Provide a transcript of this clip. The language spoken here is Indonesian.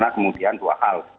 kemudian dua hal